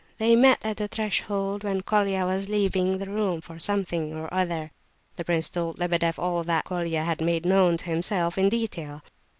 They met at the threshold, when Colia was leaving the room for something or other." The prince told Lebedeff all that Colia had made known to himself, in detail.